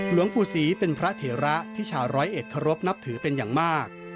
หลวงปู่ศรีเป็นพระเถระที่ชาวร้อยเอ็ดเคารพนับถือเป็นอย่างมาก